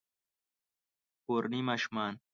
کورني ماشومان